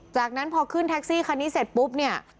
จากนั้นพอขึ้นแท็กซี่คันนี้เสร็จปุ๊บเนี่ย